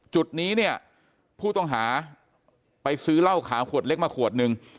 จุดนี้เนี่ยผู้ต้องหาไปซื้อเหล้าขาวขวดเล็กมาขวดนึง